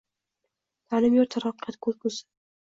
Ta’lim yurt taraqqiyoti ko‘zgusing